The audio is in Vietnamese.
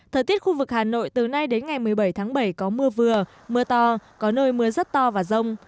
thời tiết khu vực hà nội từ nay đến ngày một mươi bảy tháng bảy có mưa vừa mưa to có nơi mưa rất to và rông